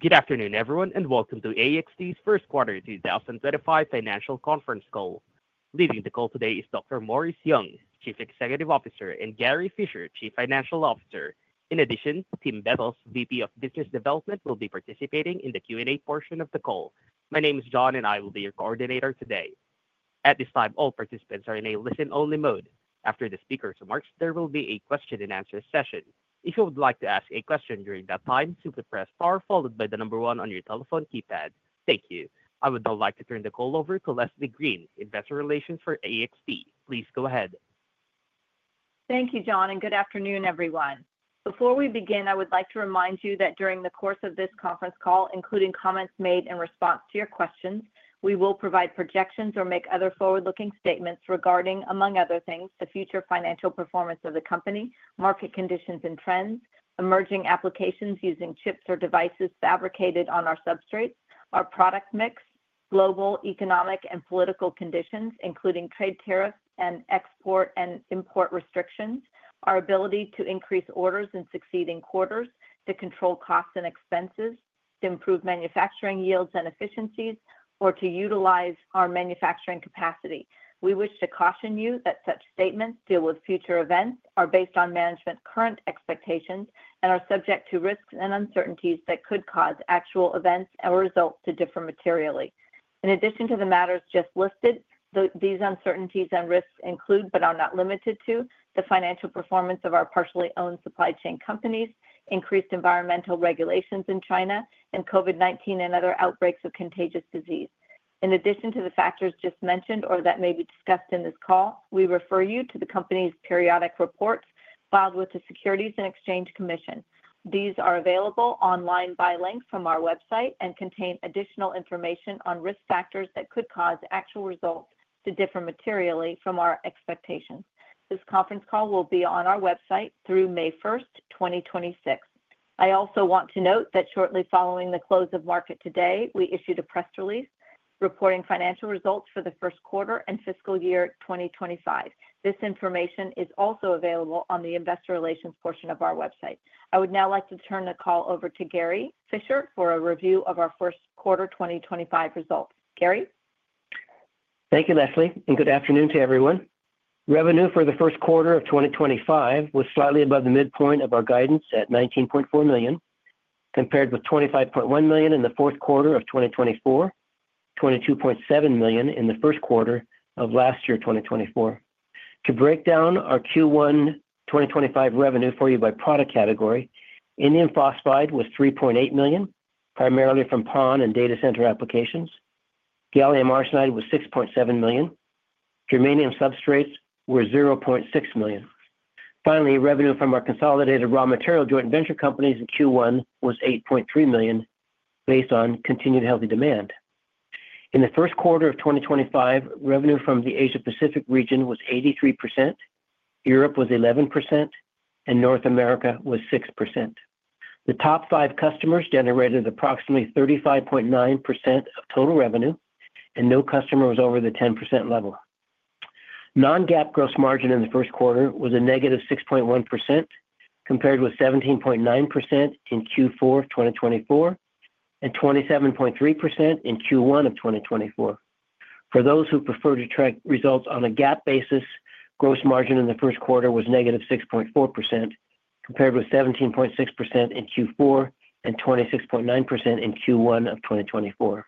Good afternoon, everyone, and welcome to AXT's First Quarter 2025 Financial Conference Call. Leading the call today is Dr. Morris Young, Chief Executive Officer, and Gary Fischer, Chief Financial Officer. In addition, Tim Bettles, VP of Business Development, will be participating in the Q&A portion of the call. My name is John, and I will be your coordinator today. At this time, all participants are in a listen-only mode. After the speakers march, there will be a question-and-answer session. If you would like to ask a question during that time, simply press star followed by the number one on your telephone keypad. Thank you. I would now like to turn the call over to Leslie Green, Investor Relations for AXT. Please go ahead. Thank you, John, and good afternoon, everyone. Before we begin, I would like to remind you that during the course of this conference call, including comments made in response to your questions, we will provide projections or make other forward-looking statements regarding, among other things, the future financial performance of the company, market conditions and trends, emerging applications using chips or devices fabricated on our substrates, our product mix, global economic and political conditions, including trade tariffs and export and import restrictions, our ability to increase orders in succeeding quarters, to control costs and expenses, to improve manufacturing yields and efficiencies, or to utilize our manufacturing capacity. We wish to caution you that such statements deal with future events, are based on management's current expectations, and are subject to risks and uncertainties that could cause actual events or result different materially. In addition to the matters just listed, these uncertainties and risks include, but are not limited to, the financial performance of our partially owned supply chain companies, increased environmental regulations in China, and COVID-19 and other outbreaks of contagious disease. In addition to the factors just mentioned or that may be discussed in this call, we refer you to the company's periodic reports filed with the Securities and Exchange Commission. These are available online by link from our website and contain additional information on risk factors that could cause actual results to differ materially from our expectations. This conference call will be on our website through May 1, 2026. I also want to note that shortly following the close of market today, we issued a press release reporting financial results for the first quarter and fiscal year 2025. This information is also available on the Investor Relations portion of our website. I would now like to turn the call over to Gary Fischer for a review of our first quarter 2025 results. Gary. Thank you, Leslie, and good afternoon to everyone. Revenue for the first quarter of 2025 was slightly above the midpoint of our guidance at $19.4 million, compared with $25.1 million in the fourth quarter of 2024, and $22.7 million in the first quarter of last year, 2024. To break down our Q1 2025 revenue for you by product category, Indium Phosphide was $3.8 million, primarily from PON and data center applications. Gallium Arsenide was $6.7 million. Germanium substrates were $0.6 million. Finally, revenue from our consolidated raw material joint venture companies in Q1 was $8.3 million, based on continued healthy demand. In the first quarter of 2025, revenue from the Asia-Pacific region was 83%, Europe was 11%, and North America was 6%. The top five customers generated approximately 35.9% of total revenue, and no customer was over the 10% level. Non-GAAP gross margin in the first quarter was a negative 6.1%, compared with 17.9% in Q4 2024 and 27.3% in Q1 of 2024. For those who prefer to track results on a GAAP basis, gross margin in the first quarter was negative 6.4%, compared with 17.6% in Q4 and 26.9% in Q1 of 2024.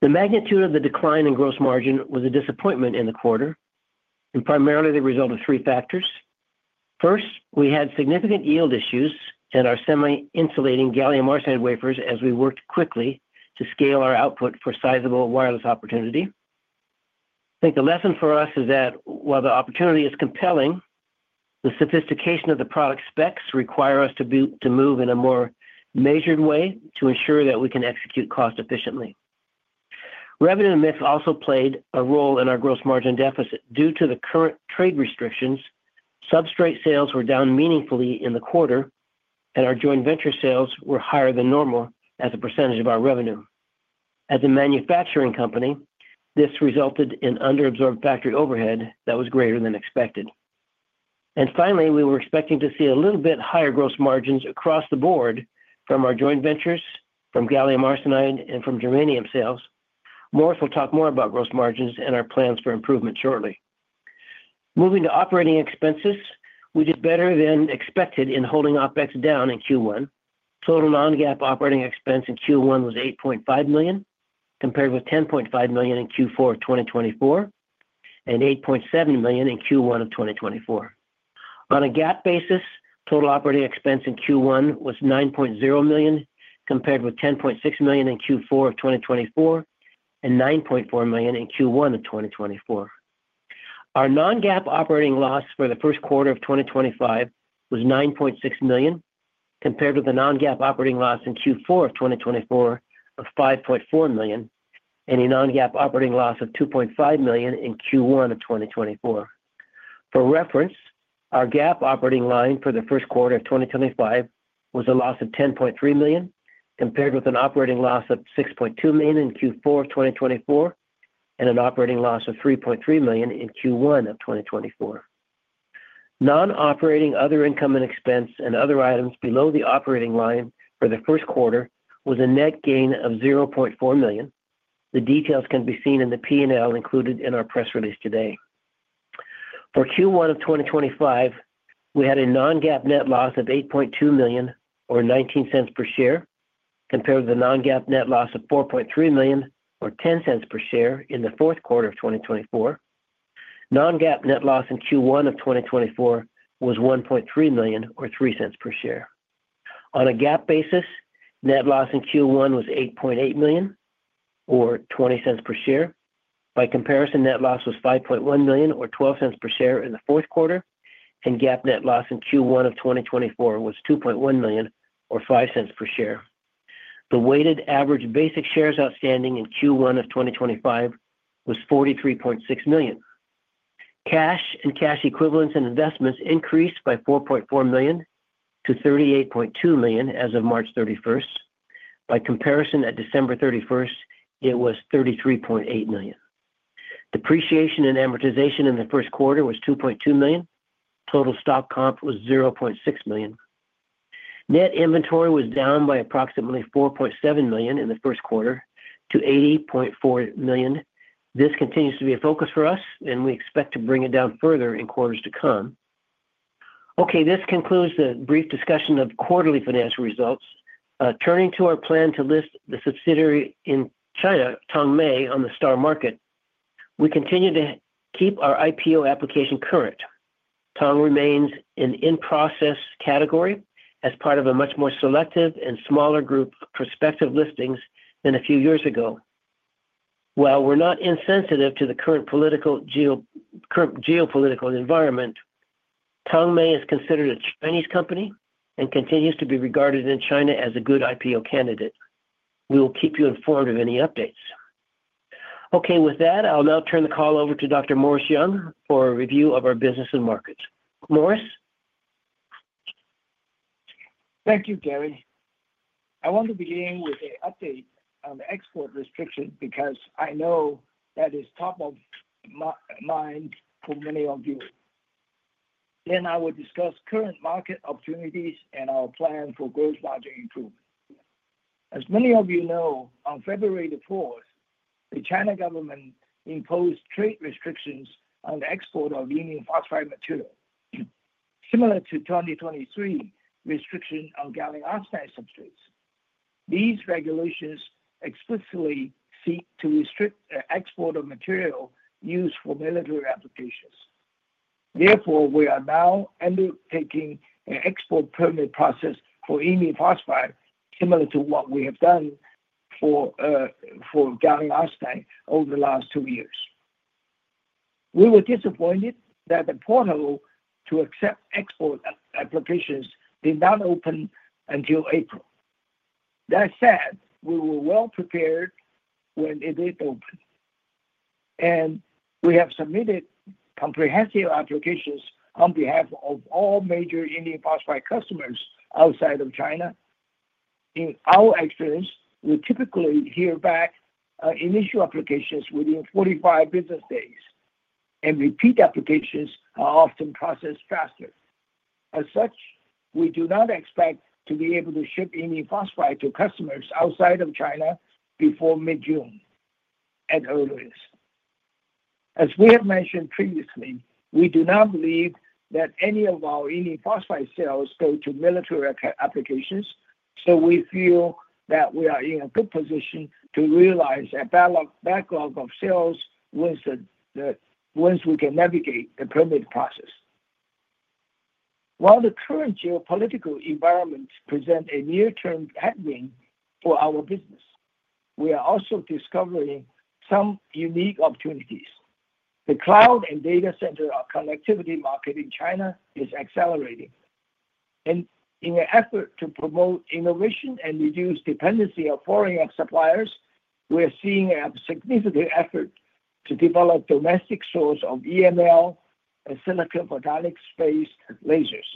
The magnitude of the decline in gross margin was a disappointment in the quarter, and primarily the result of three factors. First, we had significant yield issues in our semi-insulating gallium arsenide wafers as we worked quickly to scale our output for sizable wireless opportunity. I think the lesson for us is that while the opportunity is compelling, the sophistication of the product specs requires us to move in a more measured way to ensure that we can execute cost-efficiently. Revenue mix also played a role in our gross margin deficit. Due to the current trade restrictions, substrate sales were down meaningfully in the quarter, and our joint venture sales were higher than normal as a % of our revenue. As a manufacturing company, this resulted in under-absorbed factory overhead that was greater than expected. Finally, we were expecting to see a little bit higher gross margins across the board from our joint ventures, from gallium arsenide, and from germanium sales. Morris will talk more about gross margins and our plans for improvement shortly. Moving to operating expenses, we did better than expected in holding OpEx down in Q1. Total non-GAAP operating expense in Q1 was $8.5 million, compared with $10.5 million in Q4 of 2024 and $8.7 million in Q1 of 2024. On a GAAP basis, total operating expense in Q1 was $9.0 million, compared with $10.6 million in Q4 of 2024 and $9.4 million in Q1 of 2024. Our non-GAAP operating loss for the first quarter of 2025 was $9.6 million, compared with the non-GAAP operating loss in Q4 of 2024 of $5.4 million, and a non-GAAP operating loss of $2.5 million in Q1 of 2024. For reference, our GAAP operating line for the first quarter of 2025 was a loss of $10.3 million, compared with an operating loss of $6.2 million in Q4 of 2024 and an operating loss of $3.3 million in Q1 of 2024. Non-operating other income and expense and other items below the operating line for the first quarter was a net gain of $0.4 million. The details can be seen in the P&L included in our press release today. For Q1 of 2025, we had a non-GAAP net loss of $8.2 million, or $0.19 per share, compared with a non-GAAP net loss of $4.3 million, or $0.10 per share, in the fourth quarter of 2024. Non-GAAP net loss in Q1 of 2024 was $1.3 million, or $0.03 per share. On a GAAP basis, net loss in Q1 was $8.8 million, or $0.20 per share. By comparison, net loss was $5.1 million, or $0.12 per share in the fourth quarter, and GAAP net loss in Q1 of 2024 was $2.1 million, or $0.05 per share. The weighted average basic shares outstanding in Q1 of 2025 was 43.6 million. Cash and cash equivalents and investments increased by $4.4 million to $38.2 million as of March 31st. By comparison, at December 31st, it was $33.8 million. Depreciation and amortization in the first quarter was $2.2 million. Total stock comp was $0.6 million. Net inventory was down by approximately $4.7 million in the first quarter to $80.4 million. This continues to be a focus for us, and we expect to bring it down further in quarters to come. Okay, this concludes the brief discussion of quarterly financial results. Turning to our plan to list the subsidiary in China, Tongmei, on the STAR Market, we continue to keep our IPO application current. Tongmei remains in the in-process category as part of a much more selective and smaller group of prospective listings than a few years ago. While we're not insensitive to the current geopolitical environment, Tongmei is considered a Chinese company and continues to be regarded in China as a good IPO candidate. We will keep you informed of any updates. Okay, with that, I'll now turn the call over to Dr. Morris Young for a review of our business and markets. Morris. Thank you, Gary. I want to begin with an update on export restrictions because I know that is top of mind for many of you. Then I will discuss current market opportunities and our plan for growth margin improvement. As many of you know, on February the 4th, the China government imposed trade restrictions on the export of Indium Phosphide material, similar to 2023 restrictions on gallium arsenide substrates. These regulations explicitly seek to restrict the export of material used for military applications. Therefore, we are now undertaking an export permit process for Indium Phosphide, similar to what we have done for gallium arsenide over the last two years. We were disappointed that the portal to accept export applications did not open until April. That said, we were well prepared when it did open, and we have submitted comprehensive applications on behalf of all major Indium Phosphide customers outside of China. In our experience, we typically hear back on initial applications within 45 business days, and repeat applications are often processed faster. As such, we do not expect to be able to ship Indium Phosphide to customers outside of China before mid-June at earliest. As we have mentioned previously, we do not believe that any of our Indium Phosphide sales go to military applications, so we feel that we are in a good position to realize a backlog of sales once we can navigate the permit process. While the current geopolitical environment presents a near-term headwind for our business, we are also discovering some unique opportunities. The cloud and data center connectivity market in China is accelerating. In an effort to promote innovation and reduce dependency on foreign suppliers, we are seeing a significant effort to develop domestic sources of EML and silicon photonics-based lasers.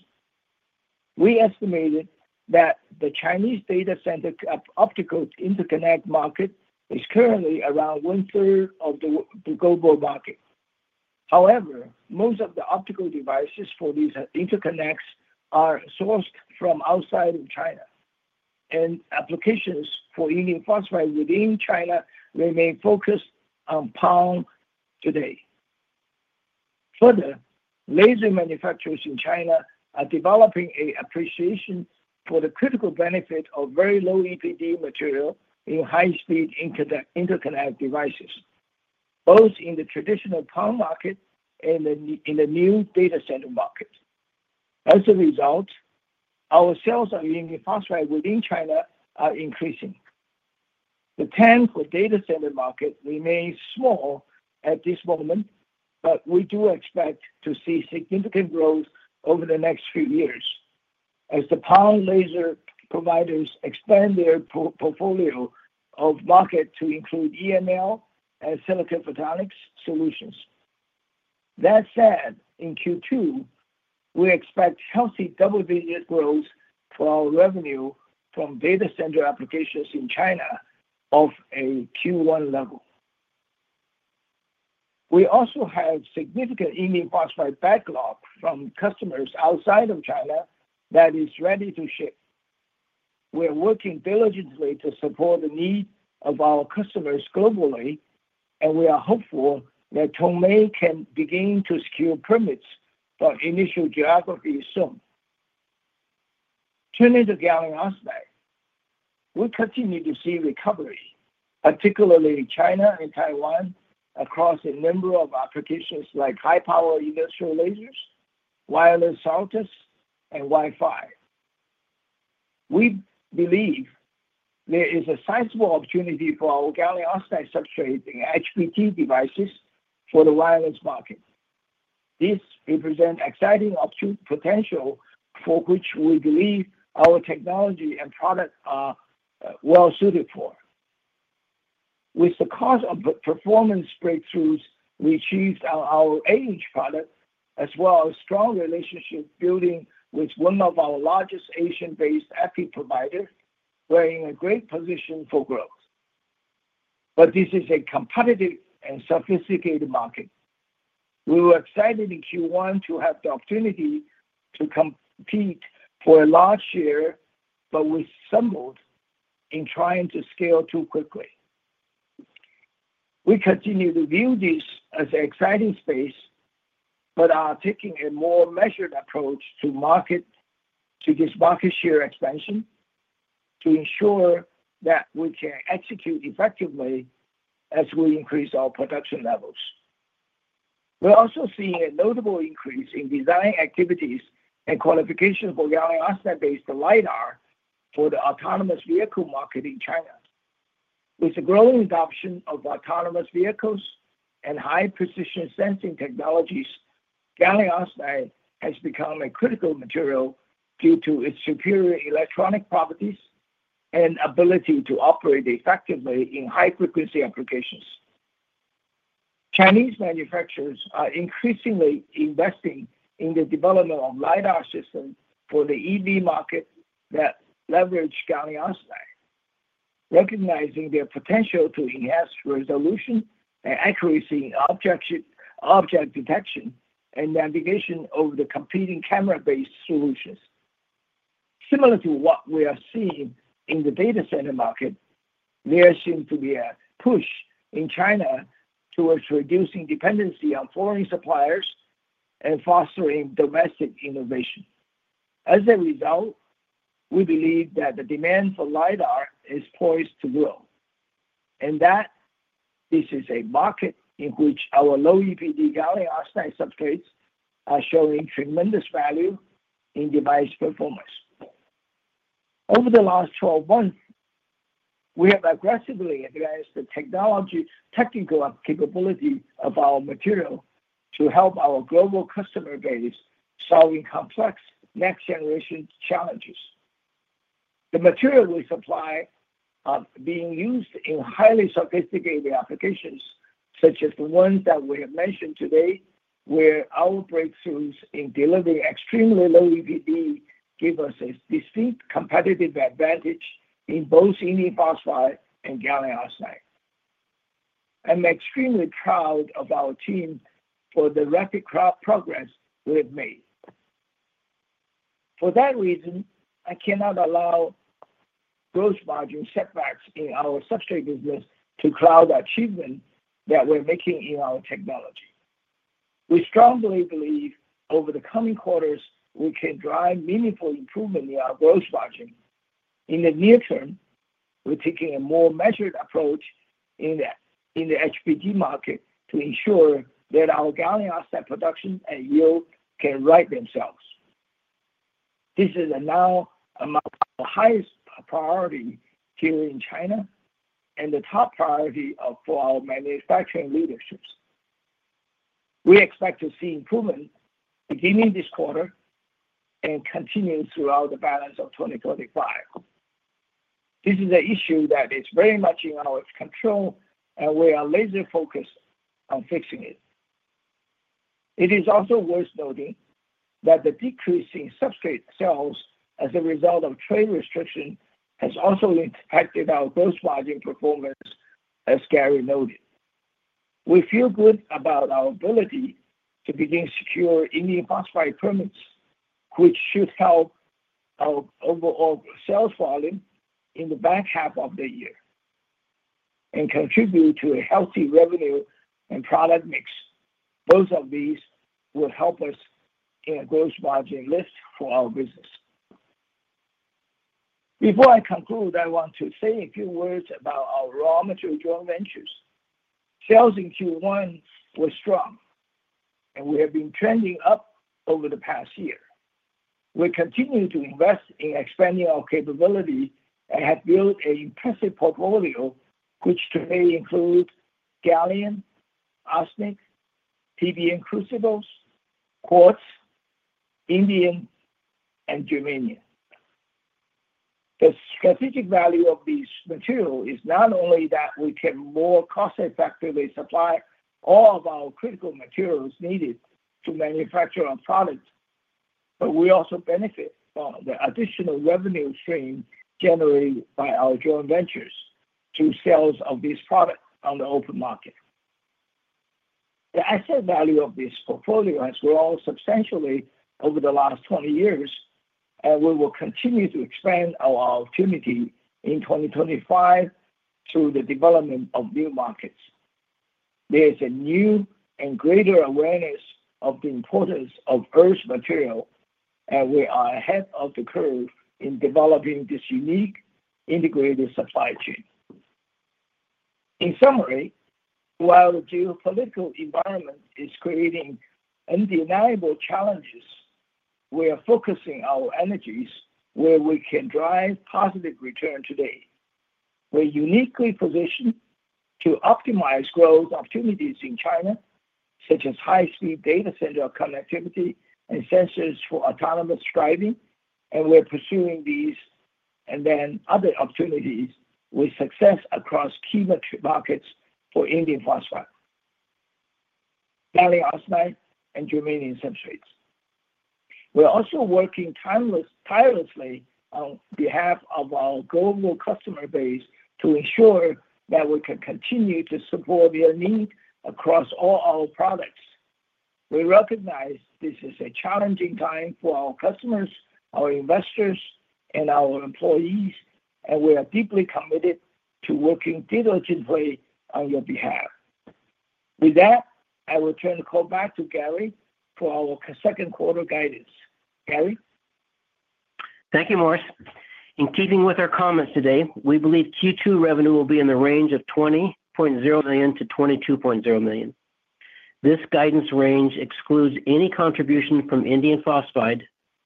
We estimated that the Chinese data center optical interconnect market is currently around one-third of the global market. However, most of the optical devices for these interconnects are sourced from outside of China, and applications for Indium Phosphide within China remain focused on PON today. Further, laser manufacturers in China are developing an appreciation for the critical benefit of very low EPD material in high-speed interconnect devices, both in the traditional PON market and in the new data center market. As a result, our sales of Indium Phosphide within China are increasing. The TAM for data center market remains small at this moment, but we do expect to see significant growth over the next few years as the PON laser providers expand their portfolio of market to include EML and silicon photonics solutions. That said, in Q2, we expect healthy double-digit growth for our revenue from data center applications in China off a Q1 level. We also have significant indium phosphide backlog from customers outside of China that is ready to ship. We are working diligently to support the needs of our customers globally, and we are hopeful that Tongmei can begin to secure permits for initial geography soon. Turning to gallium arsenide, we continue to see recovery, particularly in China and Taiwan, across a number of applications like high-power industrial lasers, wireless routers, and Wi-Fi. We believe there is a sizable opportunity for our gallium arsenide substrates in HBT devices for the wireless market. This represents exciting potential for which we believe our technology and product are well suited for. With the cost of performance breakthroughs we achieved on our product, as well as strong relationship building with one of our largest Asian-based API providers, we're in a great position for growth. This is a competitive and sophisticated market. We were excited in Q1 to have the opportunity to compete for a large share, but we stumbled in trying to scale too quickly. We continue to view this as an exciting space, but are taking a more measured approach to this market share expansion to ensure that we can execute effectively as we increase our production levels. We're also seeing a notable increase in design activities and qualification for gallium arsenide-based LiDAR for the autonomous vehicle market in China. With the growing adoption of autonomous vehicles and high-precision sensing technologies, gallium arsenide has become a critical material due to its superior electronic properties and ability to operate effectively in high-frequency applications. Chinese manufacturers are increasingly investing in the development of LiDAR systems for the EV market that leverage gallium arsenide, recognizing their potential to enhance resolution and accuracy in object detection and navigation over the competing camera-based solutions. Similar to what we are seeing in the data center market, there seems to be a push in China towards reducing dependency on foreign suppliers and fostering domestic innovation. As a result, we believe that the demand for LiDAR is poised to grow, and that this is a market in which our low EPD gallium arsenide substrates are showing tremendous value in device performance. Over the last 12 months, we have aggressively advanced the technical capability of our material to help our global customer base solve complex next-generation challenges. The material we supply is being used in highly sophisticated applications, such as the ones that we have mentioned today, where our breakthroughs in delivering extremely low EPD give us a distinct competitive advantage in both indium phosphide and gallium arsenide. I'm extremely proud of our team for the rapid progress we have made. For that reason, I cannot allow gross margin setbacks in our substrate business to cloud the achievement that we're making in our technology. We strongly believe over the coming quarters, we can drive meaningful improvement in our gross margin. In the near term, we're taking a more measured approach in the HBT market to ensure that our gallium arsenide production and yield can right themselves. This is now our highest priority here in China and the top priority for our manufacturing leadership. We expect to see improvement beginning this quarter and continue throughout the balance of 2025. This is an issue that is very much in our control, and we are laser-focused on fixing it. It is also worth noting that the decrease in substrate sales as a result of trade restrictions has also impacted our gross margin performance, as Gary noted. We feel good about our ability to begin secure Indium Phosphide permits, which should help our overall sales volume in the back half of the year and contribute to a healthy revenue and product mix. Both of these will help us in a gross margin lift for our business. Before I conclude, I want to say a few words about our raw material joint ventures. Sales in Q1 were strong, and we have been trending up over the past year. We continue to invest in expanding our capability and have built an impressive portfolio, which today includes gallium, arsenic, PBN crucibles, quartz, indium, and germanium. The strategic value of these materials is not only that we can more cost-effectively supply all of our critical materials needed to manufacture our products, but we also benefit from the additional revenue stream generated by our joint ventures through sales of these products on the open market. The asset value of this portfolio has grown substantially over the last 20 years, and we will continue to expand our opportunity in 2025 through the development of new markets. There is a new and greater awareness of the importance of Earth's material, and we are ahead of the curve in developing this unique integrated supply chain. In summary, while the geopolitical environment is creating undeniable challenges, we are focusing our energies where we can drive positive return today. We're uniquely positioned to optimize growth opportunities in China, such as high-speed data center connectivity and sensors for autonomous driving, and we're pursuing these and then other opportunities with success across key markets for Indium Phosphide, gallium arsenide, and germanium substrates. We're also working tirelessly on behalf of our global customer base to ensure that we can continue to support their needs across all our products. We recognize this is a challenging time for our customers, our investors, and our employees, and we are deeply committed to working diligently on your behalf. With that, I will turn the call back to Gary for our second quarter guidance. Gary. Thank you, Morris. In keeping with our comments today, we believe Q2 revenue will be in the range of $20.0 million-$22.0 million. This guidance range excludes any contribution from Indium Phosphide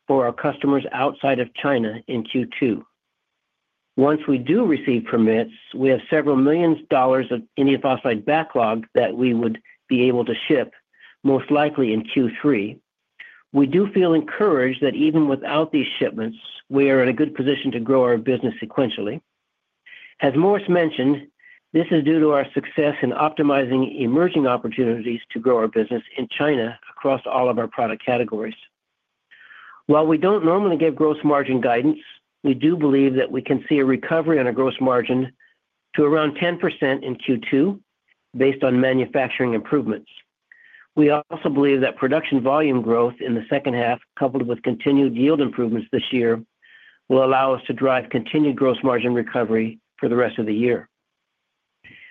for our customers outside of China in Q2. Once we do receive permits, we have several million dollars of Indium Phosphide backlog that we would be able to ship, most likely in Q3. We do feel encouraged that even without these shipments, we are in a good position to grow our business sequentially. As Morris mentioned, this is due to our success in optimizing emerging opportunities to grow our business in China across all of our product categories. While we do not normally give gross margin guidance, we do believe that we can see a recovery on our gross margin to around 10% in Q2 based on manufacturing improvements. We also believe that production volume growth in the second half, coupled with continued yield improvements this year, will allow us to drive continued gross margin recovery for the rest of the year.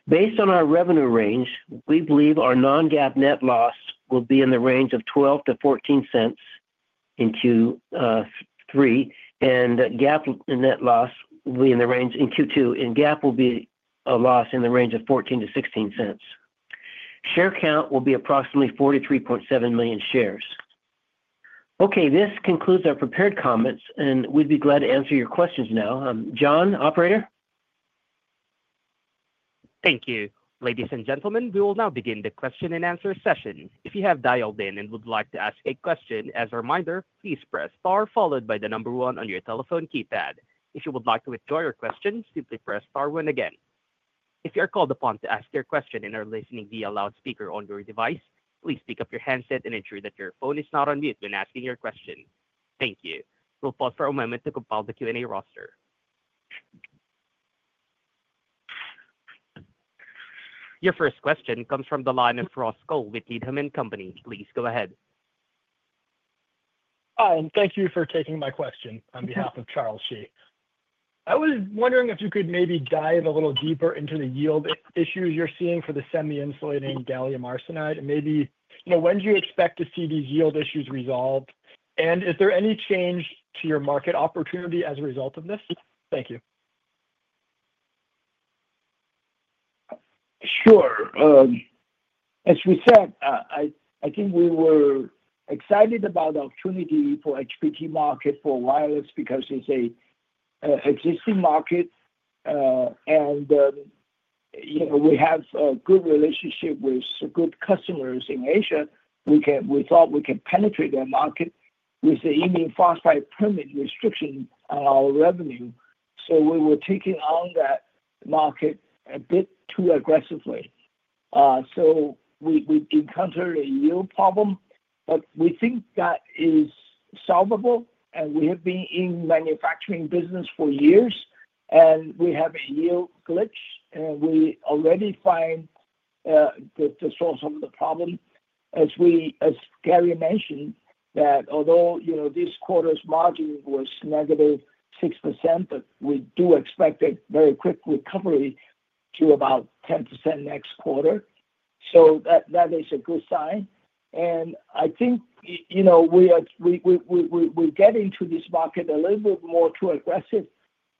Based on our revenue range, we believe our non-GAAP net loss will be in the range of $0.12-$0.14 in Q3, and GAAP net loss will be in the range in Q2, and GAAP will be a loss in the range of $0.14-$0.16. Share count will be approximately 43.7 million shares. Okay, this concludes our prepared comments, and we'd be glad to answer your questions now. John, operator. Thank you. Ladies and gentlemen, we will now begin the question and answer session. If you have dialed in and would like to ask a question, as a reminder, please press star followed by the number one on your telephone keypad. If you would like to withdraw your question, simply press star one again. If you are called upon to ask your question and are listening via loudspeaker on your device, please pick up your handset and ensure that your phone is not on mute when asking your question. Thank you. We will pause for a moment to compile the Q&A roster. Your first question comes from Ross Cole with Needham & Company. Please go ahead. Hi, and thank you for taking my question on behalf of Charles Sheet. I was wondering if you could maybe dive a little deeper into the yield issues you are seeing for the semi-insulating gallium arsenide, and maybe when do you expect to see these yield issues resolved, and is there any change to your market opportunity as a result of this? Thank you. Sure. As we said, I think we were excited about the opportunity for HBT market for wireless because it's an existing market, and we have a good relationship with good customers in Asia. We thought we could penetrate their market with the Indium Phosphide permit restriction on our revenue, so we were taking on that market a bit too aggressively. We encountered a yield problem, but we think that is solvable, and we have been in manufacturing business for years, and we have a yield glitch, and we already find the source of the problem. As Gary mentioned, that although this quarter's margin was negative 6%, we do expect a very quick recovery to about 10% next quarter. That is a good sign. I think we're getting to this market a little bit more too aggressive,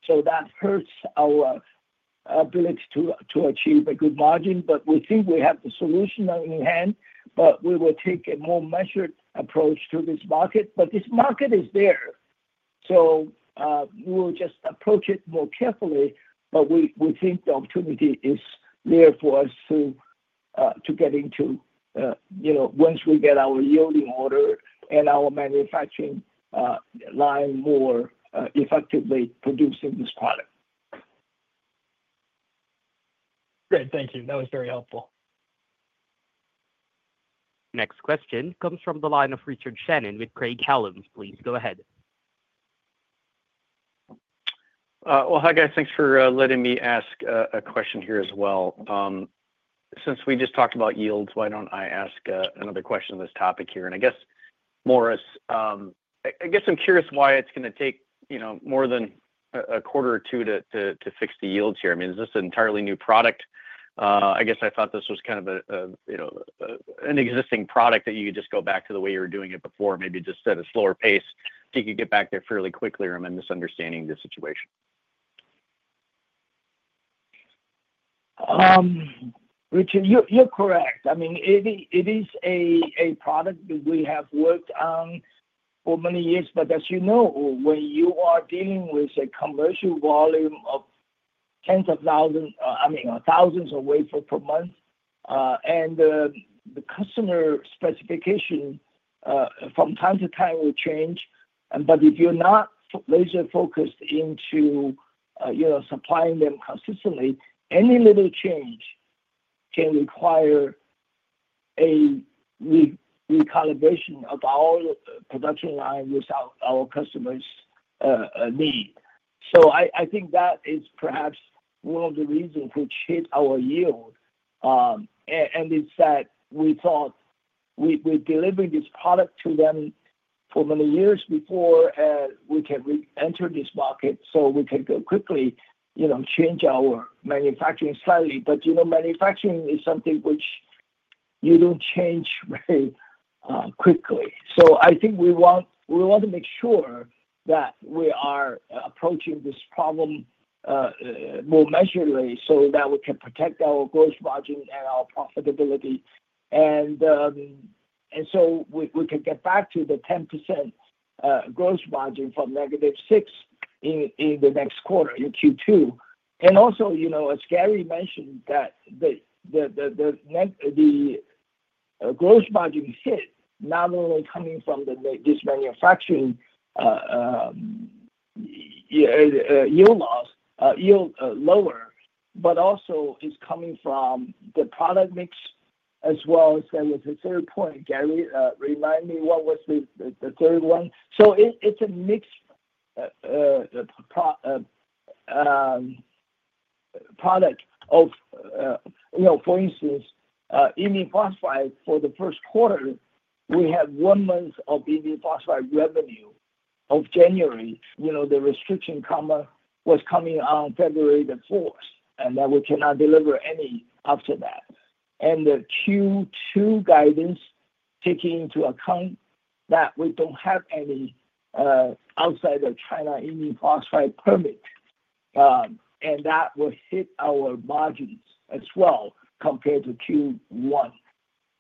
so that hurts our ability to achieve a good margin, but we think we have the solution in hand. We will take a more measured approach to this market. This market is there, so we will just approach it more carefully, but we think the opportunity is there for us to get into once we get our yielding order and our manufacturing line more effectively producing this product. Great. Thank you. That was very helpful. Next question comes from the line of Richard Shannon with Craig-Hallum. Please go ahead. Hi guys. Thanks for letting me ask a question here as well. Since we just talked about yields, why don't I ask another question on this topic here? I guess, Morris, I guess I'm curious why it's going to take more than a quarter or two to fix the yields here. I mean, is this an entirely new product? I guess I thought this was kind of an existing product that you could just go back to the way you were doing it before, maybe just at a slower pace, so you could get back there fairly quickly. Am I misunderstanding the situation? Richard, you're correct. I mean, it is a product that we have worked on for many years, but as you know, when you are dealing with a commercial volume of tens of thousands—I mean, thousands of wafers per month—and the customer specification from time to time will change. If you're not laser-focused into supplying them consistently, any little change can require a recalibration of our production line without our customers' need. I think that is perhaps one of the reasons which hit our yield, and it's that we thought we're delivering this product to them for many years before we can re-enter this market so we can quickly change our manufacturing slightly. Manufacturing is something which you don't change very quickly. I think we want to make sure that we are approaching this problem more measuredly so that we can protect our gross margin and our profitability, and so we can get back to the 10% gross margin from negative 6% in the next quarter, in Q2. Also, as Gary mentioned, the gross margin hit not only coming from this manufacturing yield loss, yield lower, but also it's coming from the product mix, as well as there was a third point. Gary, remind me what was the third one? It's a mixed product of, for instance, Indium Phosphide. For the first quarter, we had one month of Indium Phosphide revenue of January. The restriction was coming on February 4, and we cannot deliver any after that. The Q2 guidance is taking into account that we do not have any outside of China Indium Phosphide permit, and that will hit our margins as well compared to Q1.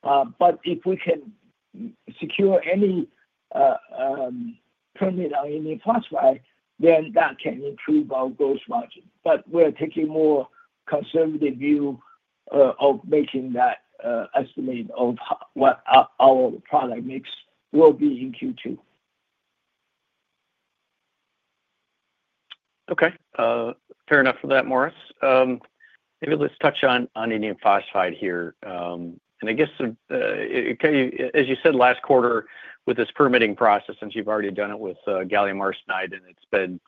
If we can secure any permit on Indium Phosphide, then that can improve our gross margin. We are taking a more conservative view of making that estimate of what our product mix will be in Q2. Okay. Fair enough for that, Morris. Maybe let's touch on Indium Phosphide here. I guess, as you said, last quarter with this permitting process, since you've already done it with gallium arsenide and it's been,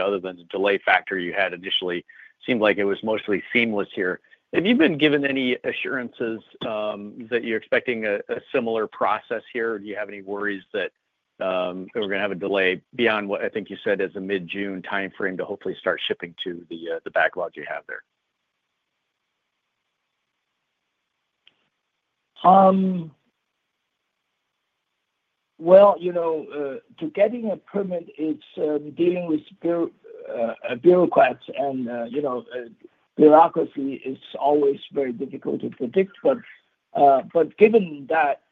other than the delay factor you had initially, seemed like it was mostly seamless here. Have you been given any assurances that you're expecting a similar process here? Do you have any worries that we're going to have a delay beyond what I think you said as a mid-June timeframe to hopefully start shipping to the backlog you have there? To getting a permit, it's dealing with bureaucrats, and bureaucracy is always very difficult to predict. Given that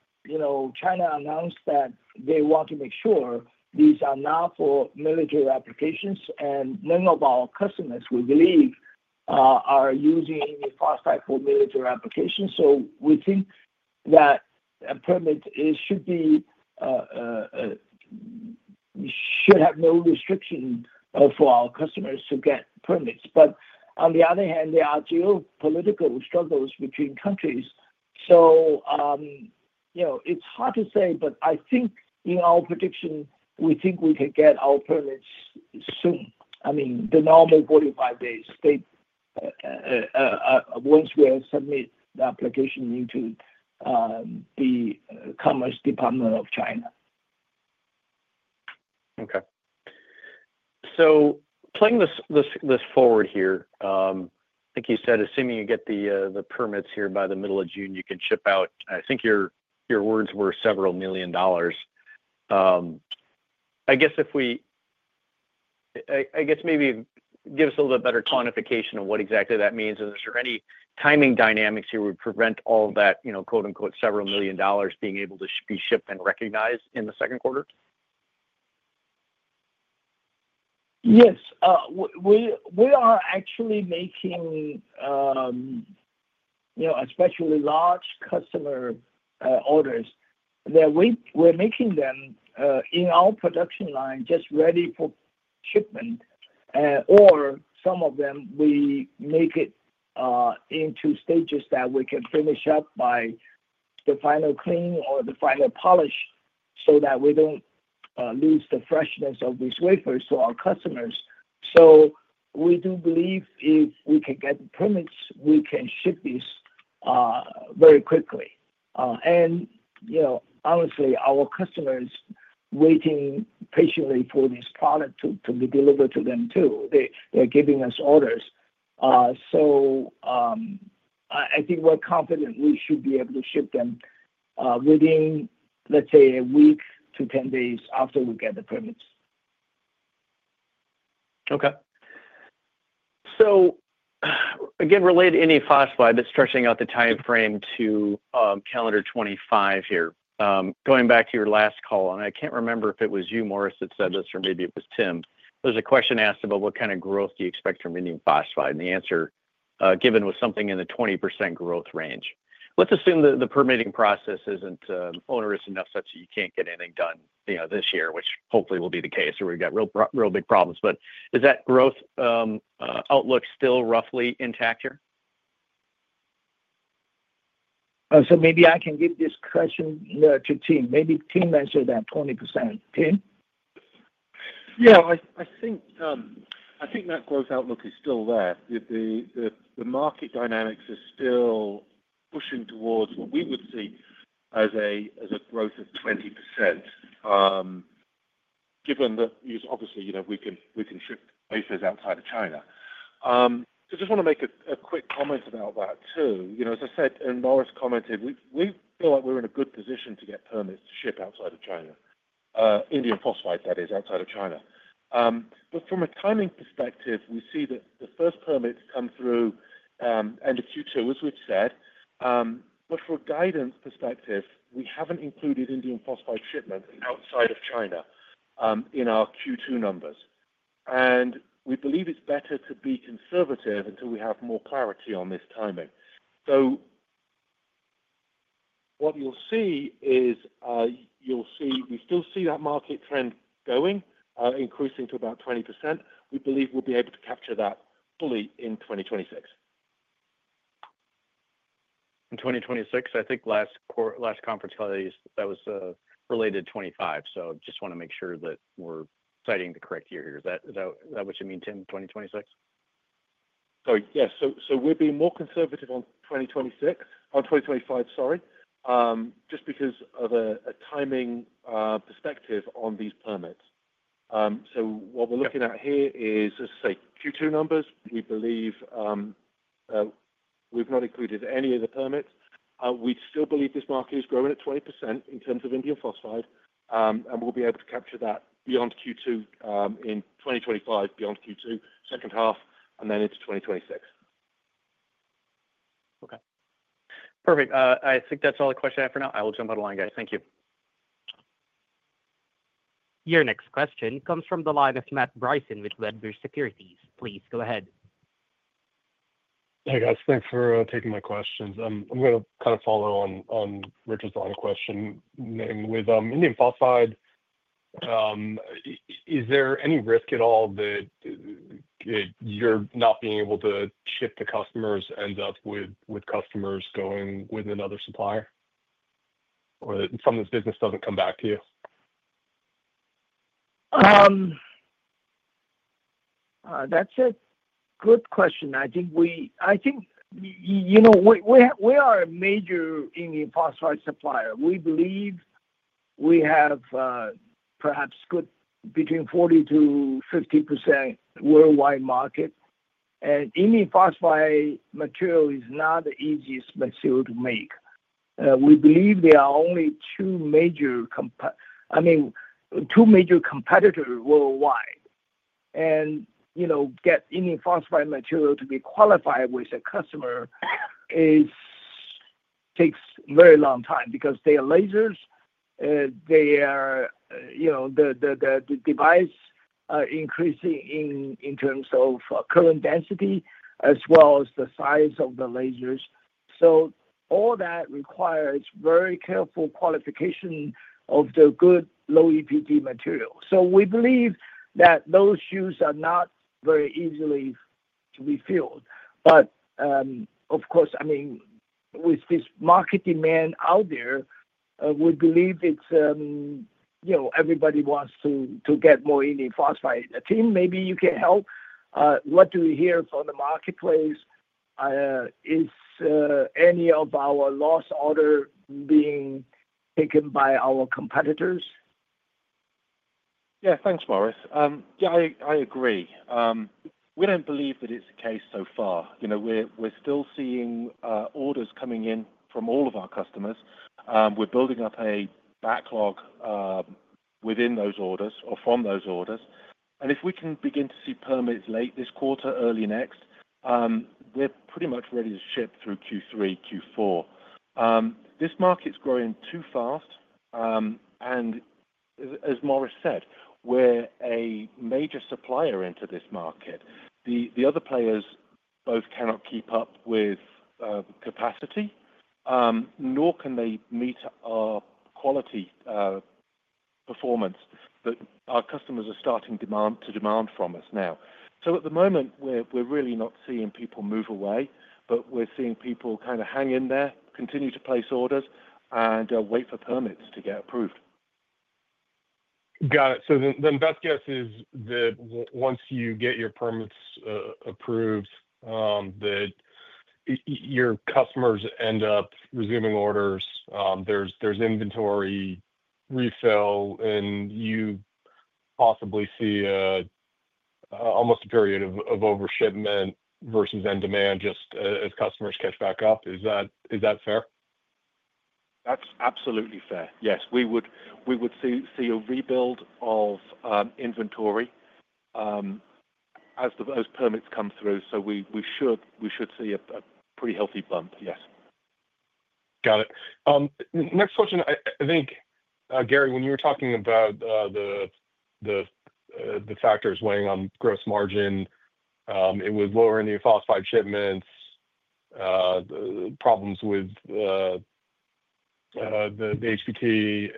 China announced that they want to make sure these are not for military applications, and none of our customers, we believe, are using indium phosphide for military applications. We think that a permit should have no restriction for our customers to get permits. On the other hand, there are geopolitical struggles between countries. It's hard to say, but I think in our prediction, we think we can get our permits soon. I mean, the normal 45 days once we submit the application into the Commerce Department of China. Okay. Playing this forward here, I think you said, assuming you get the permits here by the middle of June, you can ship out, I think your words were several million dollars. I guess if we—I guess maybe give us a little bit better quantification of what exactly that means. Is there any timing dynamics here would prevent all that "several million dollars" being able to be shipped and recognized in the second quarter? Yes. We are actually making especially large customer orders that we're making them in our production line just ready for shipment. Some of them, we make it into stages that we can finish up by the final clean or the final polish so that we do not lose the freshness of these wafers to our customers. We do believe if we can get the permits, we can ship these very quickly. Honestly, our customers are waiting patiently for this product to be delivered to them too. They are giving us orders. I think we are confident we should be able to ship them within, let's say, a week to 10 days after we get the permits. Okay. Again, related to Indium Phosphide, but stretching out the timeframe to calendar 2025 here, going back to your last call, and I cannot remember if it was you, Morris, that said this or maybe it was Tim, there is a question asked about what kind of growth do you expect from Indium Phosphide. The answer given was something in the 20% growth range. Let's assume that the permitting process isn't onerous enough such that you can't get anything done this year, which hopefully will be the case, or we've got real big problems. Is that growth outlook still roughly intact here? Maybe I can give this question to Tim. Maybe Tim, answer that 20%. Tim? Yeah. I think that growth outlook is still there. The market dynamics are still pushing towards what we would see as a growth of 20%, given that obviously we can ship wafers outside of China. I just want to make a quick comment about that too. As I said, and Morris commented, we feel like we're in a good position to get permits to ship outside of China, Indium Phosphide, that is, outside of China. From a timing perspective, we see that the first permits come through end of Q2, as we've said. From a guidance perspective, we haven't included Indium Phosphide shipment outside of China in our Q2 numbers. We believe it's better to be conservative until we have more clarity on this timing. What you'll see is you'll see we still see that market trend going, increasing to about 20%. We believe we'll be able to capture that fully in 2026. In 2026? I think last conference call that was related to 2025. I just want to make sure that we're citing the correct year here. Is that what you mean, Tim, 2026? Yes. We're being more conservative on 2026 or 2025, sorry, just because of a timing perspective on these permits. What we're looking at here is, as I say, Q2 numbers. We believe we've not included any of the permits. We still believe this market is growing at 20% in terms of Indium Phosphide, and we'll be able to capture that beyond Q2 in 2025, beyond Q2, second half, and then into 2026. Okay. Perfect. I think that's all the questions I have for now. I will jump out of the line, guys. Thank you. Your next question comes from the line of Matt Bryson with Wedbush Securities. Please go ahead. Hey, guys. Thanks for taking my questions. I'm going to kind of follow on Richard's line of questioning with Indium Phosphide. Is there any risk at all that you're not being able to ship to customers and end up with customers going with another supplier? Or some of this business doesn't come back to you? That's a good question. I think we are a major Indium Phosphide supplier. We believe we have perhaps between 40-50% worldwide market. And Indium Phosphide material is not the easiest material to make. We believe there are only two major—I mean, two major competitors worldwide. And getting Indium Phosphide material to be qualified with a customer takes a very long time because they are lasers, they are the device increasing in terms of current density as well as the size of the lasers. All that requires very careful qualification of the good low EPD material. We believe that those shoes are not very easily refilled. Of course, I mean, with this market demand out there, we believe it's everybody wants to get more Indium Phosphide. Tim, maybe you can help. What do we hear from the marketplace? Is any of our lost order being taken by our competitors? Yeah. Thanks, Morris. Yeah, I agree. We do not believe that it is the case so far. We are still seeing orders coming in from all of our customers. We are building up a backlog within those orders or from those orders. If we can begin to see permits late this quarter, early next, we are pretty much ready to ship through Q3, Q4. This market is growing too fast. As Morris said, we are a major supplier into this market. The other players both cannot keep up with capacity, nor can they meet our quality performance that our customers are starting to demand from us now. At the moment, we are really not seeing people move away, but we are seeing people kind of hang in there, continue to place orders, and wait for permits to get approved. Got it. Then best guess is that once you get your permits approved, that your customers end up resuming orders, there's inventory refill, and you possibly see almost a period of overshipment versus end demand just as customers catch back up. Is that fair? That's absolutely fair. Yes. We would see a rebuild of inventory as those permits come through. We should see a pretty healthy bump, yes. Got it. Next question. I think, Gary, when you were talking about the factors weighing on gross margin, it was lower Indium Phosphide shipments, problems with the HBT.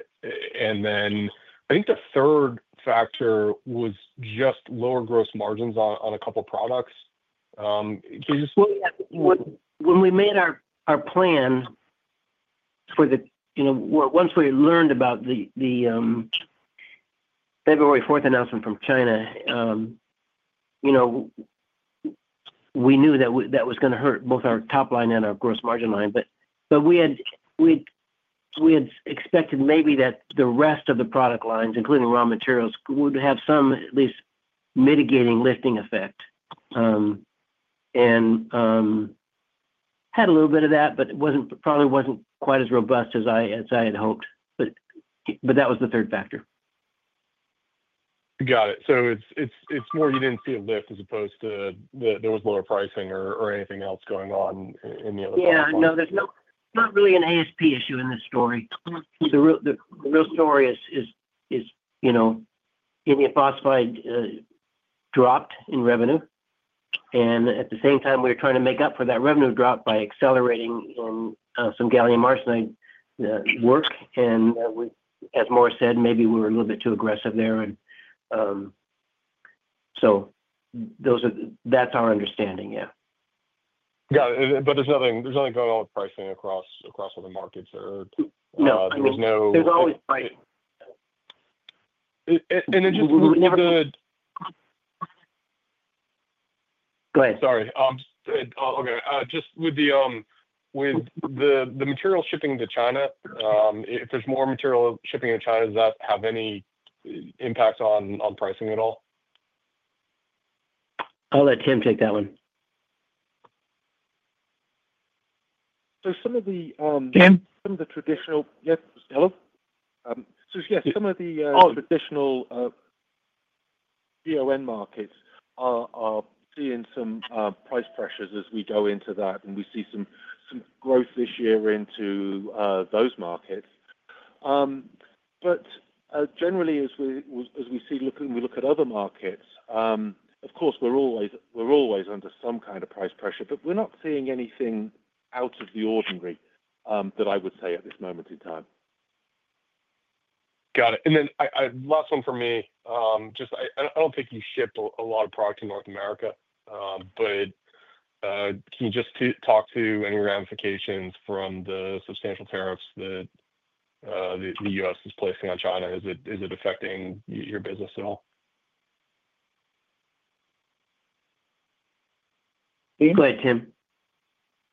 I think the third factor was just lower gross margins on a couple of products. Can you just— When we made our plan for the—once we learned about the February 4th announcement from China, we knew that that was going to hurt both our top line and our gross margin line. We had expected maybe that the rest of the product lines, including raw materials, would have some at least mitigating lifting effect. It had a little bit of that, but probably was not quite as robust as I had hoped. That was the third factor. Got it. It is more you did not see a lift as opposed to there was lower pricing or anything else going on in the other product line. Yeah. No, there is not really an ASP issue in this story. The real story is Indium Phosphide dropped in revenue. At the same time, we were trying to make up for that revenue drop by accelerating in some gallium arsenide work. As Morris said, maybe we were a little bit too aggressive there. That is our understanding, yeah. Yeah. There is nothing going on with pricing across other markets. There was no. No. There's always price. Just with the—Go ahead. Sorry. Okay. Just with the material shipping to China, if there's more material shipping to China, does that have any impact on pricing at all? I'll let Tim take that one. Some of the— Tim? Some of the traditional PON markets are seeing some price pressures as we go into that. We see some growth this year into those markets. Generally, as we look at other markets, of course, we're always under some kind of price pressure, but we're not seeing anything out of the ordinary that I would say at this moment in time. Got it. Last one for me. I don't think you ship a lot of product to North America, but can you just talk to any ramifications from the substantial tariffs that the U.S. is placing on China? Is it affecting your business at all? You can go ahead, Tim.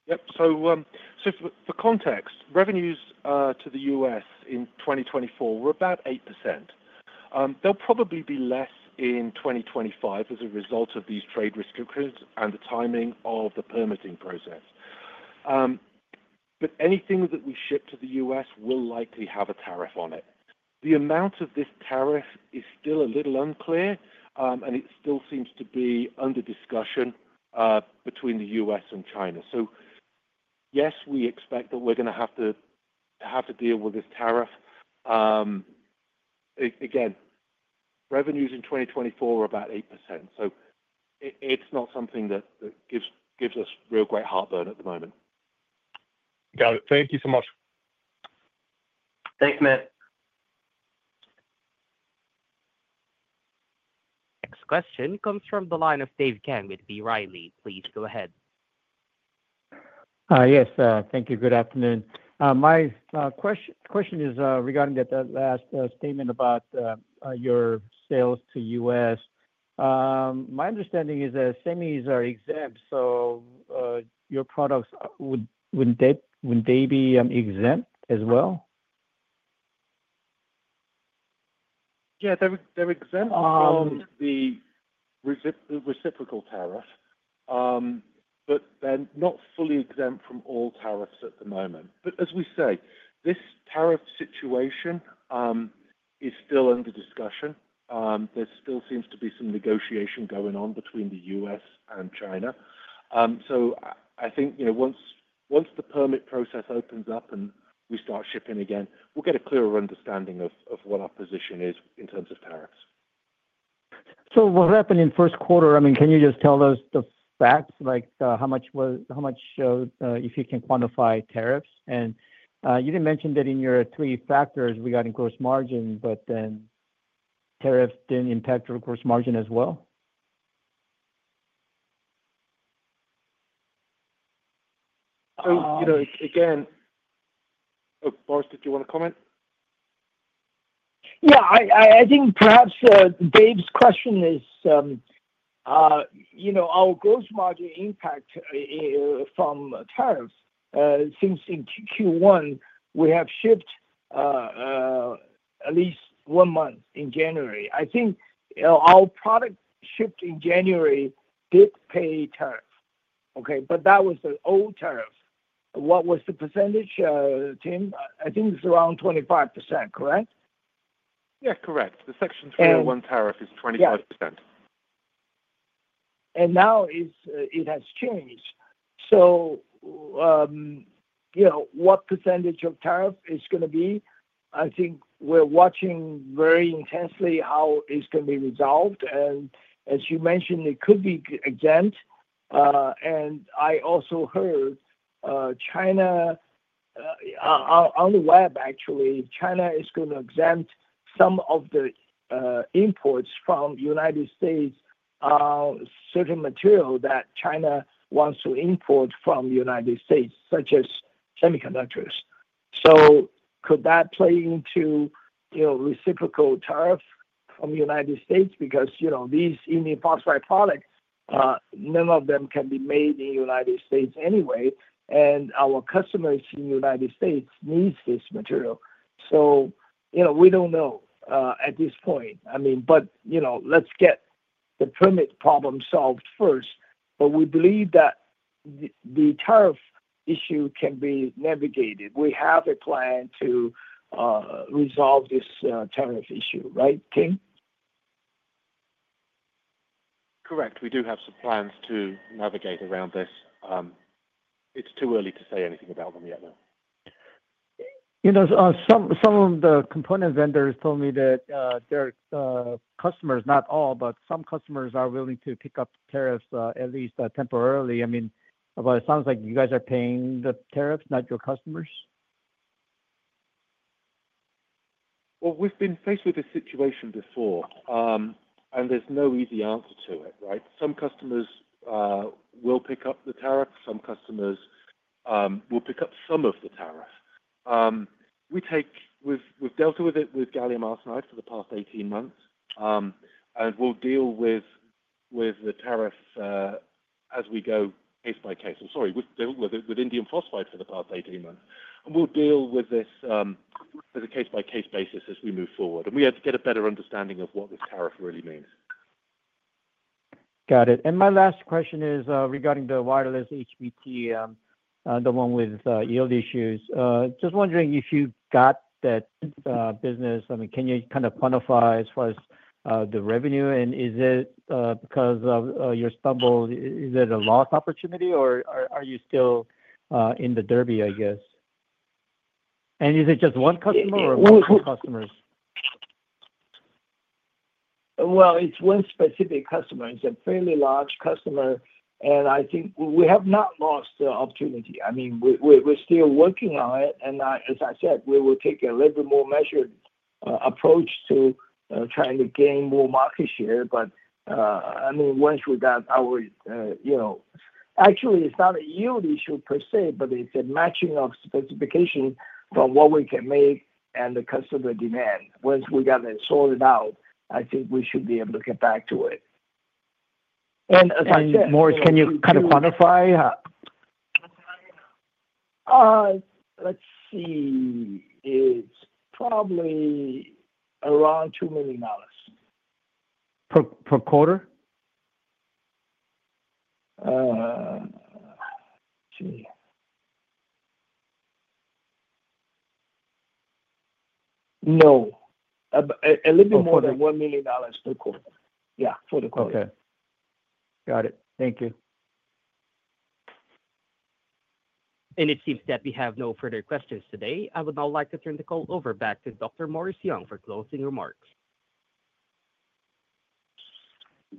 Yep. For context, revenues to the U.S. in 2024 were about 8%. They'll probably be less in 2025 as a result of these trade restrictions and the timing of the permitting process. Anything that we ship to the U.S. will likely have a tariff on it. The amount of this tariff is still a little unclear, and it still seems to be under discussion between the U.S. and China. Yes, we expect that we're going to have to deal with this tariff. Again, revenues in 2024 were about 8%. It's not something that gives us real great heartburn at the moment. Got it. Thank you so much. Thanks, Matt. Next question comes from the line of Dave Kang with B. Riley. Please go ahead. Yes. Thank you. Good afternoon. My question is regarding that last statement about your sales to the U.S. My understanding is that semis are exempt, so your products, would not they be exempt as well? Yeah. They are exempt from the reciprocal tariff, but they are not fully exempt from all tariffs at the moment. As we say, this tariff situation is still under discussion. There still seems to be some negotiation going on between the U.S. and China. I think once the permit process opens up and we start shipping again, we will get a clearer understanding of what our position is in terms of tariffs. What happened in the first quarter? I mean, can you just tell us the facts, like how much if you can quantify tariffs? You did not mention that in your three factors regarding gross margin, but then tariffs did not impact your gross margin as well? Again, Morris, did you want to comment? Yeah. I think perhaps Dave's question is our gross margin impact from tariffs. Since in Q1, we have shipped at least one month in January. I think our product shipped in January did pay tariff, okay? That was the old tariff. What was the %, Tim? I think it is around 25%, correct? Yeah, correct. The Section 201 tariff is 25%. Now it has changed. What % of tariff is it going to be? I think we are watching very intensely how it is going to be resolved. As you mentioned, it could be exempt. I also heard China on the web, actually, China is going to exempt some of the imports from the United States of certain material that China wants to import from the United States, such as semiconductors. Could that play into reciprocal tariffs from the United States? Because these Indium Phosphide products, none of them can be made in the United States anyway. Our customers in the United States need this material. We do not know at this point. I mean, let's get the permit problem solved first. We believe that the tariff issue can be navigated. We have a plan to resolve this tariff issue, right, Tim? Correct. We do have some plans to navigate around this. It's too early to say anything about them yet, though. Some of the component vendors told me that their customers, not all, but some customers are willing to pick up tariffs at least temporarily. I mean, but it sounds like you guys are paying the tariffs, not your customers. We have been faced with this situation before, and there is no easy answer to it, right? Some customers will pick up the tariff. Some customers will pick up some of the tariff. We have dealt with it with gallium arsenide for the past 18 months, and we will deal with the tariffs as we go case by case. I'm sorry. We have dealt with it with indium phosphide for the past 18 months. We will deal with this as a case-by-case basis as we move forward. We have to get a better understanding of what this tariff really means. Got it. My last question is regarding the wireless HBT, the one with yield issues. Just wondering if you've got that business. I mean, can you kind of quantify as far as the revenue? Is it because of your stumble, is it a lost opportunity, or are you still in the derby, I guess? Is it just one customer or multiple customers? It is one specific customer. It is a fairly large customer. I think we have not lost the opportunity. I mean, we're still working on it. As I said, we will take a little bit more measured approach to trying to gain more market share. I mean, once we got our—actually, it is not a yield issue per se, but it is a matching of specification from what we can make and the customer demand. Once we got it sorted out, I think we should be able to get back to it. As I said, Morris, can you kind of quantify? Let's see. It's probably around $2 million. Per quarter? No. A little bit more than $1 million per quarter. Yeah, for the quarter. Okay. Got it. Thank you. It seems that we have no further questions today. I would now like to turn the call over back to Dr. Morris Young for closing remarks.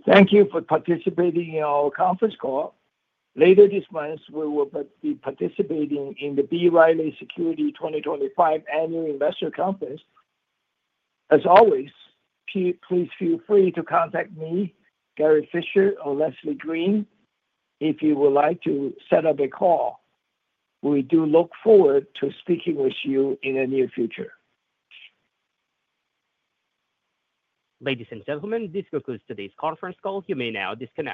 Thank you for participating in our conference call. Later this month, we will be participating in the BYD Securities 2025 Annual Investor Conference. As always, please feel free to contact me, Gary Fischer, or Leslie Green, if you would like to set up a call. We do look forward to speaking with you in the near future. Ladies and gentlemen, this concludes today's conference call. You may now disconnect.